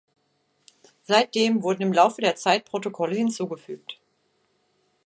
Seitdem wurden im Laufe der Zeit Protokolle hinzugefügt.